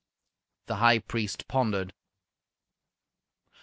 The High Priest pondered.